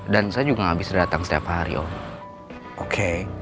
dan saya juga gak bisa datang setiap hari om